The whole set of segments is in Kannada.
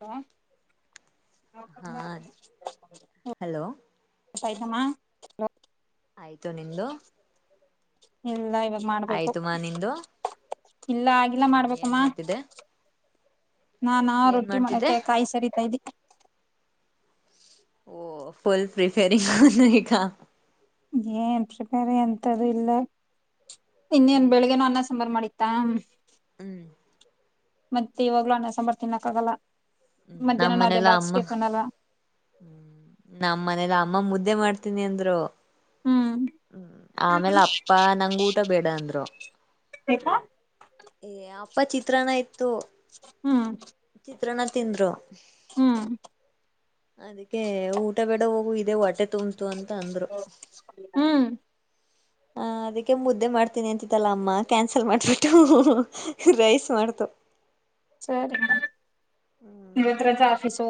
ಹಾ ಹಾ ಹಲೋ ಊಟ ಆಯ್ತಮ್ಮ ಹಲೋ ಆಯ್ತು ನಿಂದು ಇಲ್ಲ ಇವಾಗ ಮಾಡ್ಬೇಕು ಆಯ್ತು ಮಾ ನಿಂದು ಇಲ್ಲ ಆಗಿಲ್ಲ ಹ್ಮ್ ಏನ್ ಮಾಡ್ಬೇಕಮ್ಮ ಮಾಡ್ತಿದ್ದೆ ನಾಾನಾ ಏನ್ ರೊಟ್ಟಿ ಮಾಡ್ತಿದ್ದೆ ಮಾಡಕ್ಕೆ ಕಾಯಿ ಸರಿತಾ ಇದಿ ಓ ಪುಲ್ ಪ್ರಿಫೇರಿಂಗ್ ಏನ್ ಪ್ರಿಪೇರ್ ಅಂತು ಇಲ್ಲ ಇನ್ನೇನ್ ಹ್ಮ್ ಬೆಳಿಗ್ಗೆನ ಅನ್ನ ಸಾಂಬಾರಾರ್ ಮಾಡಿ ತಾಮ ಹ್ಮ್ ಮತ್ತೆ ಇವಾಗ್ಲೂ ಅಣ್ಣ ಸಾಂಬಾರ್ ತಿನ್ಕ್ಕ ಆಗಲ್ಲ ಹ್ಮ್ ಮಧ್ಯಾಹ್ನ ನ ಅದೇ ಬಾಗಕ್ ಸ್ಟಿಫನ್ ಅಲ್ಲ ಹ್ಮ ನಮ್ಮ ಮನೇಲ್ಲ ಅಮ್ಮ ಮುದ್ದೆ ಮಾಡ್ತೀನಿ ಅಂದ್ರು ಹ್ಮ್ ಹ್ಮ್ ಆಮೇಲೆ ಅಪ್ಪ ನಂಗೆ ಊಟ ಬೇಡ ಅಂದ್ರು ಯಾಕೆ ಏ ಅಪ್ಪ ಚಿತ್ರನ ಇತ್ತು ಹ್ಮ್ ಚಿತ್ರನ ತಿಂದ್ರು ಹ್ಮ್ ಅದಕ್ಕೆ ಊಟ ಬೇಡ ಹೋಗು ಇದೆ ಹೊಟ್ಟೆ ತುಂಬ್ತು ಅಂತ ಅಂದ್ರು ಹ್ಮ ಹ ಅದಕ್ಕೆ ಮುದ್ದೆ ಮಾಡ್ತೀನಿ ಅಂತ್ತಿತ್ತಲ್ಲ ಅಮ್ಮ ಕ್ಯಾನ್ಸಲ್ ಮಾಡ್ಬಿಟ್ಟು ರೈಸ್ ಮಾಡ್ತು ಸರಿ ಹ್ಮ್ ನಿತ್ರ ಆಫೀಸು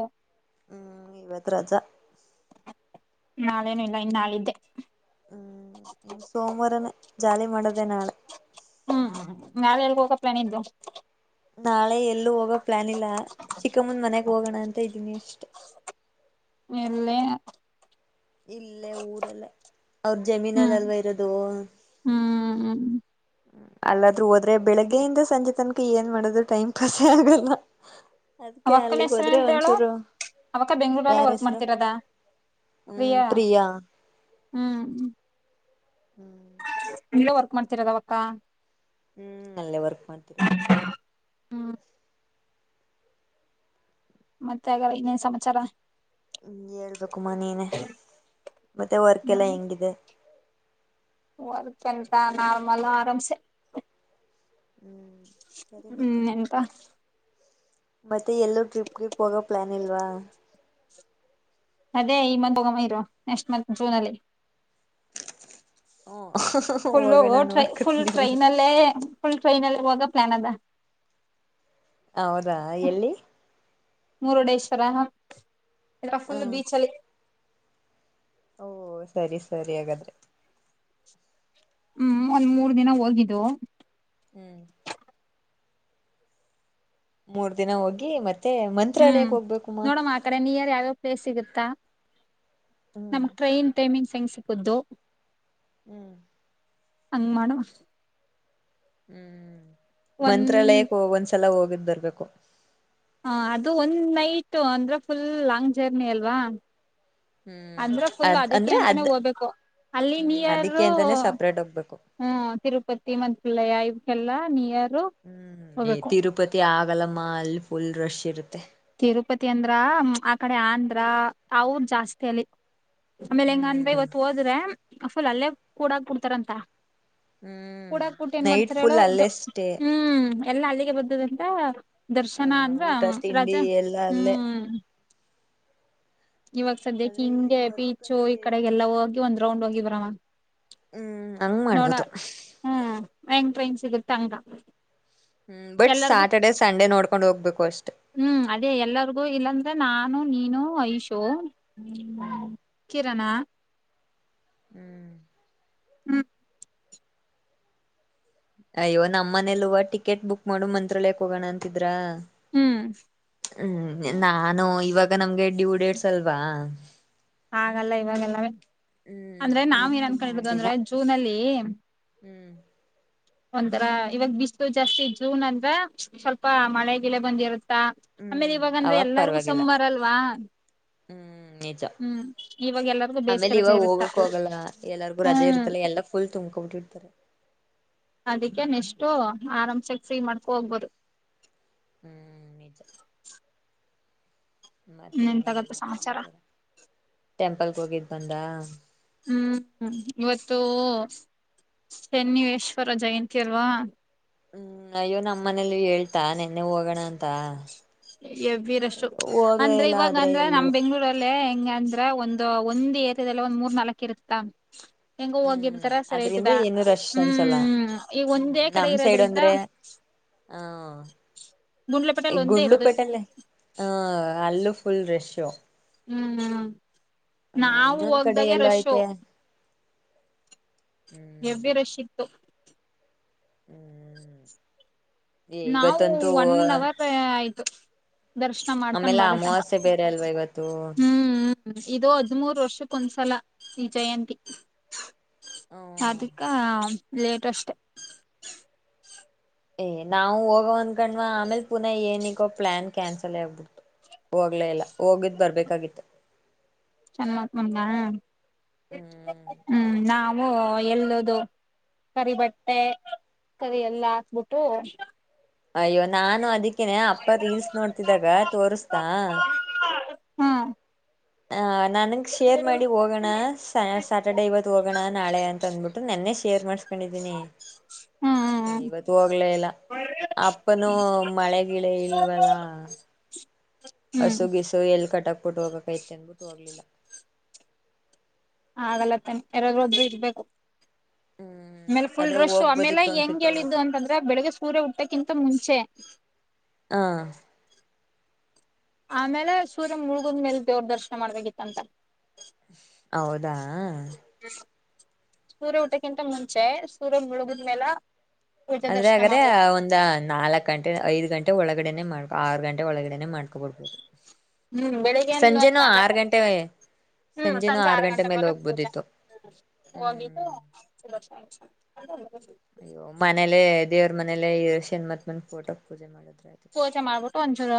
ಹ್ಮ್ ಇವತ್ ರಜಾ ನಾಳೇನು ಇಲ್ಲ ಇನ್ನಾ ಏತೇ ಹ್ಮ್ ಸೋಮವಾರನೇ ಜಾಲಿ ಮಾಡೋದೆ ನಾಳೆ ಹ್ಮ್ ನಾಳೆ ಎಲ್ಗ್ ಹೋಗ ಪ್ಲಾನ್ ಐತೇ ನಾಳೆ ಎಲ್ಲೂ ಹೋಗೋ ಪ್ಲಾನ್ ಇಲ್ಲ ಚಿಕ್ಕಮನ್ ಮನೆಗ್ ಹೋಗೋಣ ಅಂತ ಇದ್ದೀನಿ ಅಷ್ಟೇ ಎಲ್ಲೇ ಇಲ್ಲೇ ಊರಲ್ಲ ಅವ್ರ ಹ್ಮ್ ಜಮೀನಲ್ಲ ಅಲ್ವ ಇರೋದು ಹ್ಮ್ ಅಲ್ಲಾದ್ರೂ ಹೋದ್ರೆ ಬೆಳಗ್ಗೆಯಿಂದ ಸಂಜೆ ತನಕ ಏನ್ ಮಾಡದು ಟೈಮ್ ಪಾಸೇ ಆಗಲ್ಲ ಅದ್ಕ ಅವಕ್ಕನ ಅಲ್ಲಿಗ್ ಹೆಸರ ಹೋದ್ರೆ ಅಂತ ಹೇಳು ಒಂಚೂರು ಅವಕ್ಕ ಬೆಂಗ್ಳೂರಲ್ಲೇ ಯಾರ ವರ್ಕ್ ಹೆಸರು ಮಾಡ್ತಿರದ ಹ್ಮ್ ಪ್ರಿಯಾ ಹ್ಮ್ ಹ್ಮ್ ಹ್ಮ್ ಎಲ್ಲೇ ವರ್ಕ್ ಮಾಡ್ತಿರದ ಅವಕ್ಕ ಹ್ಮ್ ಅಲ್ಲೇ ವರ್ಕ್ ಮಾಡ್ತಿರೋದು ಹ್ಮ್ ಮತ್ತೆ ಆಗಲ್ಲ ಇನ್ನೇನ್ ಸಮಾಚಾರ ಹ ಹೇಳ್ಬೇಕುಮ್ಮ ನೀನೆ ಮತ್ತೆ ವರ್ಕ್ ಎಲ್ಲಾ ಹೆಂಗಿದೆ ವರ್ಕ್ ಎಂತ ನಾರ್ಮಲ್ ಆರಾಮ್ಸೆ ಹ್ಮ್ ಸರಿ ಮತ್ತೆ ಹ್ಮ್ ಎನಕ ಮತ್ತೆ ಎಲ್ಲೂ ಟ್ರಿಪ್ ಗಿಪ್ ಹೋಗೋ ಪ್ಲಾನ್ ಇಲ್ವಾ ಅದೇ ಈ ಮಂತ್ ಹೋಗಮ್ಮ ಇರು ನೆಕ್ಸ್ಟ್ ಮಂತ್ ಜೂನ್ ಅಲ್ಲಿ ಹ್ಮ ಫುಲ್ಲ ಹೋಗೋಣ ಟ್ರೈ ಫುಲ್ ನೋಡ್ಕೊತೀನಿ ಬಿಡು ಟ್ರೈನಲ್ಲೇ ಫುಲ್ ಟ್ರೈನ್ಲ್ಲಿ ಹೋಗ ಪ್ಲಾನ್ ಅದ ಹೌದಾ ಎಲ್ಲಿ ಮುರುಡೇಶ್ವರ ಹ ಫುಲ್ ಬೀಚಲ್ಲಿ ಓ ಸರಿ ಸರಿ ಹಾಗಾದ್ರೆ ಹ್ಮ್ ಒಂದ್ ಮೂರ್ ದಿನ ಹೋಗಿದ್ದು ಹ್ಮ್ ಮೂರ್ ದಿನ ಹೋಗಿ ಮತ್ತೆ ಹ್ಮ್ ಮಂತ್ರಾಲಯಕ್ಕೆ ಹೋಗ್ಬೇಕುಮ್ಮ ನೋಡಮ್ಮ ಆ ಕಡೆ ನಿಯರ್ ಯಾವ್ಯಾವ ಪ್ಲೇಸ್ ಸಿಗತ್ತಾ ಹ್ಮ್ ನಮ ಟ್ರೈನ್ ಟೈಮಿಂಗ್ ಹೆಂಗ್ ಸಿಕ್ಕದು ಹ್ಮ್ ಹಂಗ್ ಮಾಡುವ ಹ್ಮ್ ಒಂದ್ ಮಂತ್ರಾಲಯಕ್ಕೆ ಹೋಗ ಒಂದ್ಸಲ ಹೋಗಿದ್ ಬರ್ಬೇಕು ಹ ಅದು ಒಂದ್ ನೈಟ್ ಅಂದ್ರೆ ಫುಲ್ ಲಾಂಗ್ ಜರ್ನಿ ಅಲ್ವಾ ಹ್ಮ್ ಅಂದ್ರ ಫುಲ್ ಅದ್ ಅದಕ್ಕೆ ಅಂದ್ರೆ ಅಂತಾನೇ ಅದ್ ಹೋಗ್ಬೇಕು ಅಲ್ಲಿ ಹ್ಮ್ ನೀಯರ್ ಅದಕ್ಕೆ ಅಂತಾನೆ ಸಪ್ರೇಟ್ ಹೋಗ್ಬೇಕು ಹ್ಮ್ ತಿರುಪತಿ ಮಂಪಲಯ ಇವಕ್ಕೆಲ್ಲಾ ನೀಯಾರ ಹ್ಮ್ ತಿರುಪತಿ ಆಗಲಮ್ಮ ಅಲ್ಲಿ ಫುಲ್ ರಶ್ ಇರುತ್ತೆ ತಿರುಪತಿ ಅಂದ್ರ ಆ ಕಡೆ ಆಂದ್ರ ಅವದ ಜಾಸ್ತಿ ಅಲಿ ಆಮೇಲೆ ಹೆಂಗ ಅನ್ ಬೈ ಹ್ಮ್ ಇತ್ತು ಹೋದ್ರೆ ಫುಲ್ ಅಲ್ಲೇ ಕೂಡಾಗ ಬಿಡ್ತಾರಂತ ಹ್ಮ್ ಕೂಡಕ್ಕಬುಟ್ಟ ಏನ್ ನೈಟ್ ಮಾಡ್ತಾರ ಹೇಳು ಫುಲ್ ಅಲ್ಲೇ ಸ್ಟೇ ಹ್ಮ್ ಎಲ್ಲಾ ಅಲ್ಲಿಗೆ ಬರುತದಂತ ಆ ದರ್ಶನ ಆದ್ರ ಊಟ ತಿಂಡಿ ರಜಾ ಎಲ್ಲ ಅಲ್ಲೇ ಹ್ಮ್ ಇವಾಗ ಸದ್ಯಕ್ಕೆ ಆದ್ರೆ ಇಲ್ಲಿ ಹಿಂಗೆ ವರ್ಕ್ ಪೀಚು ಅಲ್ಲಿ ಈ ಕಡೆಗೆಲ್ಲ ಹೋಗಿ ಒಂದ್ ರೌಂಡ್ ಹೋಗಿ ಬರಮಾ ಹ್ಮ್ ಹಂಗ ಮಾಡ್ಬೋದು ಹ್ಮ್ ವ್ಯಾಂಕೈನ್ ಸಿಗತ ಅಂಗ ಹ್ಮ್ ಬಟ್ ಸ್ಯಾಟರ್ಡೆ ಸಂಡೆ ನೋಡ್ಕೊಂಡ್ ಹೋಗ್ಬೇಕು ಅಷ್ಟೇ ಹ್ಮ್ ಅದೇ ಎಲ್ಲರಿಗೂ ಇಲ್ಲಾಂದ್ರೆ ನಾನು ನೀನು ಐಶು ಹ್ಮ್ ಕಿರಣಾ ಹೂ ಹ್ಮ್ ಅಯ್ಯೋ ನಮ್ಮ ಮನೇಲೂವ ಟಿಕೆಟ್ ಬುಕ್ ಮಾಡು ಮಂತ್ರಾಲಯಕ್ ಹೋಗೋಣ ಅಂತಿದ್ರ ಹ್ಮ್ ಹ್ಮ್ ನಾನು ಇವಾಗ ನಮ್ಗೆ ಟು ಡೇಡ್ಸ ಅಲ್ವಾ ಹಾಗಲ್ಲ ಇವಾಗೆಲ್ಲ ಹ್ಮ್ ಅಂದ್ರೆ ನಾವವು ಏನು ಅದಕ್ಕೆ ಅನ್ಕೊಂಡಿರದು ಮಾಡ್ಲಿಲ್ಲ ಅಂದ್ರೆ ಜೂನಲ್ಲಿ ಹ್ಮ್ [unintelligible] ಒಂದರ ಇವಾಗ ಬಿಸ್ಲು ಜಾಸ್ತಿ ಜೂನ್ ಅಂದ್ರ ಸ್ವಲ್ಪ ಮಳೆ ಗಿಳ ಬಂದಿರುತ್ತಾ ಆಮೇಲೆ ಹ್ಮ್ ಇವಾಗ ಅಂದ್ರೆ ಅವಾಗ ಎಲ್ಲಾರ್ಗು ಪರವಾಗಿಲ್ಲ ಸಂಮರಲ್ವಾ ಹ್ಮ್ [unintelligible] ಹ್ಮ ನಿಜ ಇವಾಗ ಎಲ್ಲರಿಗೂ ಬೇಸಿಗೆ ಆಮೇಲೆ ರಜೆ ಇವಾಗ ಇರುತ್ತ ಹೋಗಕ್ ಹೋಗಲ್ಲ ಎಲ್ಲರಿಗು ರಜೆ ಹ್ಮ್ ಇರ್ತಲ್ಲ ಎಲ್ಲಾ ಫುಲ್ ತುಂಬ್ಕೊಬಿಟ್ಟಬಟ್ಟ ಉತ್ತರೆ ಅದಕ್ಕೆ ನೆಷ್ಟು ಆರಾಮ್ಸ ಫ್ರೀ ಮಾಡ್ಕೊ ಹೋಗ್ಬೋದು ಹ್ಮ್ ನಿಜ ಮತ್ತೆ ಇನ್ನೇನ್ ತಗತ್ತ ಇನೇನುಮ್ಮ ಸಮಾಚಾರ ಸಮಾರ ಟೆಂಪಲ್ ಹೋಗಿದ್ ಬಂದ ಹ್ಮ್ ಇವತ್ತು ಚನ್ನಿವೇಶ್ವರ ಜಯಂತಿ ಅಲ್ವಾ ಹ್ಮ್ ಅಯ್ಯೋ ನಮ್ಮ ಮನೇಲ್ಲ ಹೇಳ್ತಾ ನೆನ್ನೆ ಹೋಗೋಣ ಅಂತ ಎ ಬರಷ್ಟು ಹೋಗ್ಲ ಅಂದ್ರೆ ಇಲ್ಲ ಇವಾಗ ಆದ್ರೆ ಅಂದ್ರೆ ಎಲ್ಲೂ ನಮ್ ಬೆಂಗ್ಳೂರ ಹೆಂಗ ಅಂದ್ರ ಒಂದು ಒಂದ್ ಏನಿಲ್ಲ ಒಂದ್ ಮೂರ್ ನಾಲ್ಕು ಇರುತ್ತ ಹೆಂಗೋ ಹ್ಮ್ ಹೋಗಿರ್ತಾರ ಸರಿ ಅದ್ರಿಂದ ಆಯ್ತದ ಏನು ರಶ್ ಅನ್ಸಲ್ಲ ಹ್ಮ್ ಈಗ ಹ್ಮ್ ಒಂದೇ ಕಡೆ ಇರೋದ್ರಿಂದ ಹಾ ಗುಂಡ್ಲಪೇಟೆಲ್ ಒಂದೇ ಇರೋದು ಗುಂಡ್ಲುಪೆಟ್ಟಲ್ಲೇ ಹ್ ಅಲ್ಲು ಫುಲ್ ರೆಶ್ ಹ್ಮ್ ನಾವು ಇನ್ನೊಂದ್ ಕಡೆ ಹೋಗ್ದಾಗೆ ಎಲ್ಲ ರಶು ಐತೆ ಹ್ಮ್ [inaudible] ಹೆವಿ ರಶ್ ಇತ್ತು ಹ್ಮ್ ನಾವು ಇವತ್ತಂತೂ ಒನ್ ಅವರ್ ಆಯ್ತು ದರ್ಶನ ಮಾಡ್ಕೊಂಡ್ ಆಮೇಲೆ ಬರ ತನಕ ಅಮಾವಾಸ್ಯೆ ಬೇರೆ ಅಲ್ವಾ ಇವತ್ತು ಹ್ಮ್ ಹ್ಮ ಇದು ಹದಿಮುರು ವರ್ಷಕ್ಕೊ ಒಂದ್ಸಲ ಈ ಜಯಂತಿ ಅದು [inaudible] ಹಾ ಲೇಟಸ್ಟ್ ನಾವು ಹೋಗೋವಂದ್ಕಣ್ವಾ ಆಮೇಲ್ ಪುನಃ ಏನಿಗೋ ಪ್ಲಾನ್ ಕ್ಯಾನ್ಸಲ್ ಆಗ್ಬಿಟ್ಟು ತು ಹೋಗ್ಲೇ ಇಲ್ಲ ಹೋಗಿದ್ ಬರ್ಬೇಕಾಗಿತ್ತು ಚೆನ್ನತ್ ಮಂದ ಹ್ಮ್ ಹ್ಮ್ ನಾವು ಎಲ್ಲದು ಕರಿ ಬಟ್ಟೆ ಕರಿ ಎಲ್ಲಾ ಹಾಕ್ಬಿಟ್ಟು ಅಯ್ಯೋ ನಾನು ಅದಕ್ಕೇನೆ ಅಪ್ಪ ರೀಲ್ಸ್ ನೋಡ್ತಿದಾಗ ತೋರ್ಸ್ತಾ ಹ್ಮ ಹ ನನಗೆ ಶೇರ್ ಮಾಡಿ ಹೋಗೋಣ ಸಾಯಾಟರ್ಡೇ ಇವತ್ತು ಹೋಗೋಣ ನಾಳೆ ಅಂತ ಅಂದ್ಬಿಟ್ಟು ನೆನ್ನೆ ಶೇರ್ ಮಾಡ್ಸ್ಕೊಂಡಿದ್ದೀನಿ ಇವತ್ತು ಹೋಗ್ಲೇ ಇಲ್ಲ ಅಪ್ಪನುೂ ಮಳೆ ಗಿಳ ಇಲ್ವಲ್ಲ ಹ್ಮ್ ಹಸು ಗಿಸು ಎಲ್ಲಿ ಕಟ್ಟಕ್ಬಟ್ಟು ಹೋಗಕ್ ಐತೆ ಅನ್ಬಿಟ್ಟು ಹೋಗ್ಲಿಲ್ಲ ಹ ಅದಲ್ಲ ತಾನ ಯಾರಾದ್ರು ಒದ್ರರು ಇರ್ಬೇಕು ಆಮೇಲೆ ಫುಲ್ ಆದ್ರೆ ಡ್ರಶು ಆಮೇಲೆ ಹೋಗ್ಬೋದಿತ್ತು ಹೆಂಗ್ ಅನ್ಸುತ್ತೆ ಹೇಳಿದ್ದು ಇವತ್ತು ಅಂತಂದ ಬೆಳಿಗ್ಗೆ ಸೂರ್ಯ ಉಊಟ್ಟಕ್ಕಿಂತ ಮುಂಚೆ ಹಾ ಆಮೇಲೆ ಸೂರ್ಯ ಮುಳಗದ್ ಮೇಲೆ ದೇವ್ರ ದರ್ಶನ ಮಾಡಬೇಕಿತ್ತಂತ ಹೌದಾ ಸೂರ್ಯ ಊಟಕ್ಕಿಂತ ಮುಂಚೆ ಸೂರ್ಯ ಮುಳುಗಿದ್ಮೇಲೆ ಅದ್ರೆ ಹಾಗ್ರ ಒಂದ ನಾಲ್ಕು ಗಂಟೆ ಐದು ಗಂಟೆ ಒಳಗಡೆನೆ ಮಾಡ್ ಆರು ಗಂಟೆ ಒಳಗಡೆನೆ ಮಾಡ್ಕೊಬ ಬಿಡ್ಬೋದು ಹ್ಮ್ ಬೆಳಿಗ್ಗೆ ಒಂದ್ ಸಂಜೆನೂ ನಾಲ್ಕ ಆರು ಗಂಟೆ ಸಂಜೆನೂ ಆರು ಗಂಟೆ ಮೇಲೆ ಹೋಗ್ಬೋುದಿತ್ತು ಹಂದ [unintelligible] ಅಯ್ಯೋ ಮನೇಲೆ ದೇವ್ರ ಮನೇಲೆ ಶಣಮತ್ ಮಂದ ಫೋಟೋ ಪೂಜೆ ಮಾಡಿದ್ರ್ ಪೂಜೆ ಮಾಡ್ಬಿಟ್ಟು ಒಂಚೂರ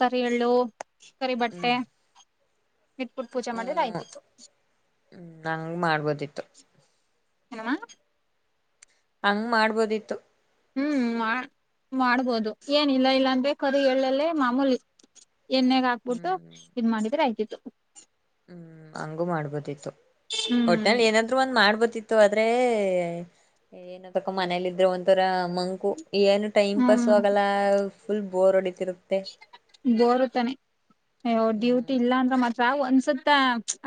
ಕರಿ ಎಳ್ಳು ಕರಿ ಬಟ್ಟೆ ಹ್ಮ್ ಹಟ್ಬಿಟ್ಟು ಪೂಜೆ ಮಾಡಿದ್ರ ಆಗಿತ್ತು ನಂಗ್ ಮಾಡ್ಬೋದಿತ್ತು ಏನಮ್ಮ ಹಂಗ ಮಾಡ್ಬೋದಿತ್ತು ಹ್ಮ್ ಮಾಡ ಮಾಡ್ಬೋದು ಏನಿಲ್ಲ ಇಲ್ಲ ಅನ್ಬೇಕೇಕಾದದು ಹೇಳಲ್ಲೇ ಮಾಮೂಲಿ ಹೆಣ್ಣಿಗೆ ಹಾಕ್ಬಿಟ್ಟು ಹ್ಮ್ ಇದ್ ಮಾಡಿದ್ರೆ ಆಯ್ತಿತ್ತು - ಹ್ಮ್ ಹಂಗೂ ಮಾಡ್ಬೋದಿತ್ತು ಹ್ಮ್ ಹೋಟೆಲ್ ಏನಾದ್ರು ಒ ಮಾಡ್ಬೋತಿತ್ತು ಆದ್ರೆ ಏನ ಸಕ್ಕ ಮನೇಲಿ ಇದ್ರೆ ಒಂಥರ ಮಂಕು ಏನು ಟೈಮ್ ಪಾಸ್ ಹ್ಮ್ ಆಗಲ್ಲ ಫುಲ್ ಬೋರ್ ಅಡತರು ದೋರುತಾನೆಯ ಹ್ಮ್ ಡ್ಯೂಟಿ ಇಲ್ಲ ಅಂದ್ರ ಮಾತ್ರ ಒಂದ್ಸತ್ತ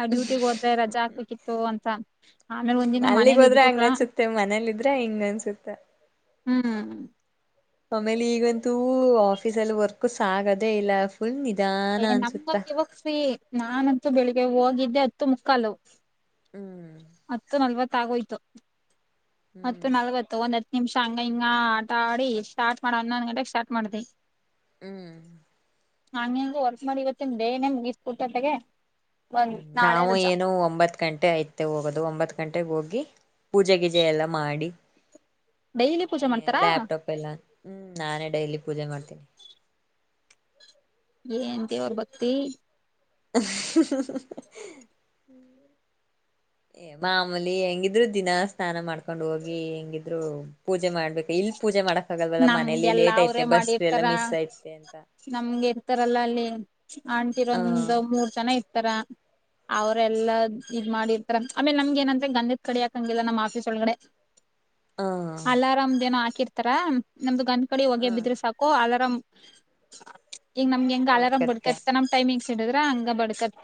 ಆ ಡ್ಯೂಟಿಗ್ ಹೋದ್ರೆ ರಜಾ ಹಾಕ್ಕ್ಕಿತ್ತು ಅಂತ ಆಮೇಲೆ ಒಂದ್ ದಿನ ಮನೇಲಿ ಇದ್ಬಿಟ್ರ. ಮತ್ತೇ ಮನೇಲಿ ಇದ್ರೆ ಹಿಂಗ್ ಅನ್ಸುತ್ತೇ. ಹ್ಮ್. ಆಮೇಲೆ ಈಗಂತೂ ಆಫೀಸ ಅಲ್ಲಿ ವರ್ಕ್ ಸಾಗದೇ ಇಲ್ಲ ಫುಲ್ ನಿಧಾನ ಅನ್ಸುತ್ತೇ. ಪಪ್ಪೀ. ನಾನಂತೂ ಬೆಳಿಗ್ಗೆ ಹೋಗಿದ್ದೆ ಹತ್ತು ಮುಕ್ಕಾಲು ಹ್ಮ್ ಹತ್ತು ನಲ್ವತ್ತ್ ಆಗೋಯ್ತು ಹತ್ತು ಹ್ಮ್ ನಲ್ವತ್ತು ಒಂದ್ ಹತ್ತು ನಿಮಿಷ ಹಂಗ ಹಂಗ ಆಟ ಆಡಿ ಸ್ಟಾರ್ಟ್ ಮಾಡ ಒನ್ನೊಂದ್ ಗಂಟೆಗೆ ಸ್ಟಾರ್ಟ್ ಮಾಡ್ದಿ ಹ್ಮ್ ನಾಂಗ ವರ್ಕ್ ಮಾಡಿ ಇವತ್ತಿ ನ ಡೇ ನೆ ಮ್ಸ್ಕುಟ್ಟ ತೆ ನಾವು ಏನೊ ಒಂಬತ್ತು ಗಂಟೆ ಆಯ್ತೆ ಹೋಗೋದು ಒಂಬತ್ ಗಂಟೆಗೆ ಹೋಗಿ ಪೂಜೆ ಗಿಜೆ ಎಲ್ಲ ಮಾಡಿ ಡೈಲಿ ಪೂಜೆ ಏ ಮಾಡ್ತಾರಾ ಲ್ಯಾಪ್ಟಾಪ್ ಇಲ್ಲ ಹ್ಮ್ ನಾನೇ ಡೈಲಿ ಪೂಜೆ ಮಾಡ್ತೀನಿ ಏನ್ ದೇವ್ರ ಭಕ್ತಿ [inaudible] [inaudible] ಮಾಮೂಲಿ ಹೆಂಗಿದ್ರು ದಿನಾ ಸ್ನಾನ ಮಾಡ್ಕೊಂಡ್ ಹೋಗಿ ಹೆಂಗಿದ್ರು ಪೂಜೆ ಮಾಡ್ಬೇಕು ಇಲ್ಲಿ ಪೂಜೆ ಮಾಡಕ್ ಆಗಲ್ವಲ್ಲ ಮನೇಲಿ ನಮ್ಗೆಲ್ಲಾ ಲೇಟ್ ಅವ್ರೇ ಆಯ್ತೆ ಬಸ್ ಎಲ್ಲ ಮಾಡಿರ್ತಾರ ಮಿಸ್ ಆಯ್ತೆ ಅಂತ [unintelligible] ನಮ್ಗೆ ಇರ್ತಾರಲ್ಲ ಅಲ್ಲಿ ಹ ಆಂಟಿರೊಂದು ಮೂರ್ ಜನ ಇರ್ತಾರೆ. ಅವ್ರೆಲ್ಲಾ ಇದ್ ಮಾಡಿರ್ತಾರ ಆಮೇಲೆ ನಮ್ಗೆ ಏನಂದ್ರೆ ಗಂಧದ ಕಡ್ಡಿ ಹಾಕಂಗಿಲ್ಲ ನಮ್ಮ್ ಆಫೀಸ್ ಒಳಗಡೆ. ಹ ಅಲಾರಾಮ್ದ್ ಏನೋ ಹಾಕಿರ್ತಾರ ನಮ್ದು ಗಂದದ ಕಡ್ಡಿ ಹ ಹೊಗೆ ಬಿದ್ರೆ ಸಾಕು. ಓ ಅಲರಾಮ್ ಈಗ ನಮ್ಗೆ ಹೆಂಗ ಅಲಾರಾಮ್ ಓಡ್ಕತ್ತೆ ಬಡಕಾಯಿತೋ ನಮ್ಮ್. ಟೈಮಿಂಗ್ಸ್ ಹಿಡಿದ್ರ ಹಂಗ ಬಡ್ಕತ್ತ.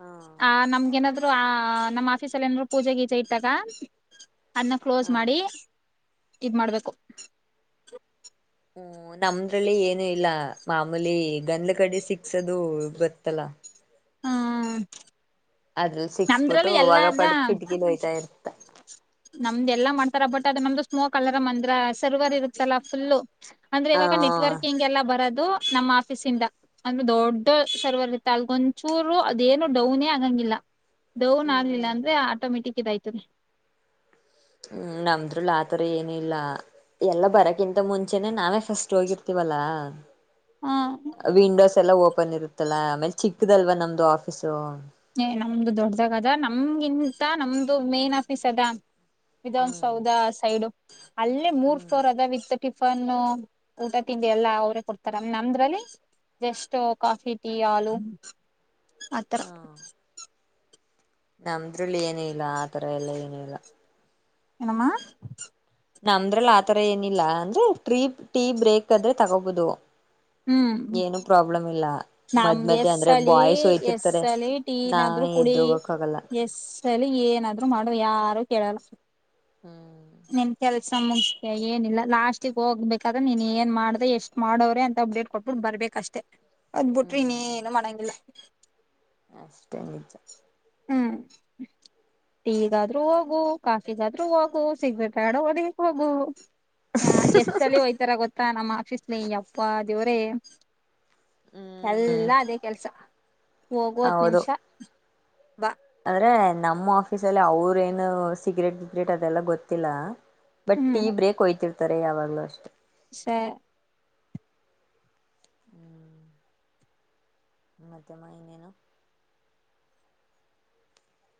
ಹ ಆ ನಮ್ಗೆನಾದ್ರು ಆ ನಮ್ಮ್ ಆಫೀಸಲ್ಲಿ ಏನಾದ್ರು ಪೂಜೆಗೀಜೆ ಇದ್ದಾಗ. ಅದ್ನ ಹ ಕ್ಲೋಸ್ ಮಾಡಿ ಇದ್ ಮಾಡ್ಬೇಕು. ಹ್ಮ ನಮ್ದ್ರಲ್ಲಿ ಏನು ಇಲ್ಲ ಮಾಮೂಲಿ ಗಂದ್ಲ್ ಕಡ್ಡಿ ಸಿಕ್ಸೋದು ಗೊತ್ತಲ್ಲ. ಹ್ಮ. ಅದ್ರಲ್ಲಿ ಸಿಕ್ಸ್ಬಿಟ್ಟು ಹೊಗೆ ಪಾಡ್ಗ್ ಕಿಟ್ಕಿಲ್ ಹೋಯ್ತಾ ಇರ್. ನಮ್ದೆಲ್ಲಾ ಮಣ್ತರ ಬಟ್ ಅದ ನಮ್ದು ಸ್ಮೋಕ್ ಅಲರಾಮ್ ಅಂದ್ರ ಸರ್ವರ್ ಇರುತ್ತಲ್ಲಾ ಫುಲ್ಲು. ಅಂದ್ರೆ ಹ ಇವಾಗ ನೆಟ್ವರ್ಕಿಂಗ್ ಎಲ್ಲ ಬರೋದು ನಮ್ಮ್ ಆಫೀಸಿಂದ. ಅಂದ್ರೆ ದೊಡ್ಡ ಸರ್ವರ್ ಇರತ್ತ ಅಲ್ಗೊಂಚೂರು ಅದೇನು ಡೌನೇ ಆಗಂಗಿಲ್ಲ. ಡೌನ್ ಆಗ್ಲಿಲ್ಲ ಹ್ಮ್ ಅಂದ್ರೆ ಆಟೋಮೆಟಿಕ್ ಇದಾಯ್ತದೆ. ಹ್ಮ್ ನಮ್ದ್ರಲ್ಲ್ ಆತರ ಏನೂ ಇಲ್ಲ. ಎಲ್ಲ ಬರಕ್ಕಿಂತ ಮುಂಚೆನೆ ನಾವೇ ಫಸ್ಟ್ ಹೋಗಿರ್ತೀವಲ್ಲಾ. ಹ ವಿಂಡೋಸ್ ಎಲ್ಲ ಓಪನ್ ಇರುತ್ತಲ್ಲಾ ಆಮೇಲೆ ಚಿಕ್ಕದಲ್ವ ನಮ್ದು ಆಫೀಸು ಏ ನಮ್ದು ದೊಡ್ದಾಗದ ನಮ್ಗಿಂತ ನಮ್ದು ಮೇನ್ ಆಫೀಸ್ ಅದ ಹ್ಮ್ ವಿಧಾನಸೌಧ ಸೈಡು ಅಲ್ಲಿ ಮೂರ್ ಹ್ಮ್ ಫ್ಲೋರ್ ಅದ ವಿತ್ತ್ ಟಿಫನ್ನು ಊಟ ತಿಂಡಿ ಎಲ್ಲಾ ಅವರೇ ಕೊಡ್ತಾರ ನಮ್ದ್ರಲ್ಲಿ ಜಸ್ಟ್ ಕಾಫಿ, ಟೀ, ಹಾಲೂ ಆತರ ಹ ನಮ್ದ್ರಲ್ಲಿ ಏನೂ ಇಲ್ಲ ಆ ತರ ಎಲ್ಲಾ ಏನೂ ಇಲ್ಲ ಏನಮ್ಮ ನಮ್ದ್ರಲ್ಲ ಆತರ ಏನಿಲ್ಲ ಅಂದ್ರೆ ಟ್ರೀ ಟೀ ಬ್ರೇಕ್ ಆದ್ರೆ ತಗೋಬೋದು ಹ್ಮ್ ಏನು ಪ್ರಾಬ್ಲಮ್ ಇಲ್ಲ ಮದ್ ನಮ್ದ್ ಮಧ್ಯೆ ಅಂದ್ರೆ ಎಸ್ಸಲಿ ಬಾಯ್ಸ್ ಹೋಯ್ತಿರ್ತಾರೆ ಎಸ್ಸಲಿ ಟೀನಾದ್ರು ನಾವೇ ಎದ್ದು ಕುಡಿ ಹೋಗಕ್ ಆಗಲ್ಲ ಎಸ್ಟ್ಸಲಿ ಏನಾದ್ರು ಮಾಡ ಯಾರು ಕೇಳಲ್ಲ ಹ್ಮ್ ನಿನ್ ಕೆಲ್ಸ ಮುಗ್ ಏನಿಲ್ಲ ಲಾಸ್ಟಿಗೆ ಹೋಗ್ಬೇಕಾದ್ರೆ ನೀನ್ ಏನ್ ಮಾಡ್ದೆ ಎಷ್ಟ್ ಮಾಡೋರೆ ಅಂತ ಅಪ್ಡೇಡ್ ಕೊಟ್ಬುಟ್ ಬರ್ಬೇಕ್ ಅಷ್ಟೇ ಅದ್ಬ್ ಬಿಟ್ರೆ ಹ್ಮ್ ಇನ್ನೇನು ಮಾಡಂಗಿಲ್ಲ ಅಷ್ಟೇ ನಿಜ ಹ್ಮ್ [unintelligible] ಟೀಗಾದ್ರೂ ಹೋಗು ಕಾಫಿಗಾದ್ರೂ ಹೋಗು ಸಿಗ್ರೇಟ್ ಆಡೋ ಹೊಡಿಯಕ್ ಹೋಗು ಹ ಎಷ್ಟ ಸಲ ಹೋಯ್ತಾರ ಗೊತ್ತಾ ನಮ್ಮ ಆಫೀಸ್ಲಿ ಹಂ ಅಪ್ಪ ದೇವರೇ ಹ್ಮ್ ಎಲ್ಲ ಅದೇ ಕೆಲ್ಸ ಹೋಗುವತ್ ನಿಮಿಷ ಬಾ ಆದಂದ್ರೆ ನಮ್ಮ ಆಫೀಸ ಅಲ್ಲಿ ಅವ್ರ ಏನು ಸಿಗ್ರೇಟ್ ಬಿಗ್ರೇಟ್ ಅದೆಲ್ಲ ಗೊತ್ತಿಲ್ಲ ಬಟ್ ಟೀ ಹ್ಮ್ ಬ್ರೇಕ್ ಹೊಯ್ತಿರ್ತಾರೆ ಯಾವಾಗ್ಲೂ ಅಷ್ಟೆ ಸ [unintelligible] [inaudible] ಮಧ್ಯ ಆಗಿನೇನು